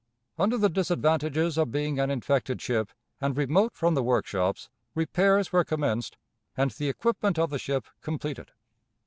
Under the disadvantages of being an infected ship and remote from the workshops, repairs were commenced, and the equipment of the ship completed.